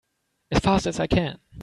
As fast as I can!